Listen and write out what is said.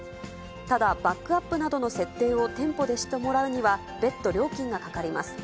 ただ、バックアップなどの設定を店舗でしてもらうには、別途料金がかかります。